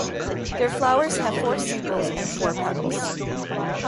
Their flowers have four sepals and four petals.